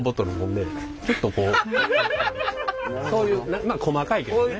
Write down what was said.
そういうまあ細かいけどね。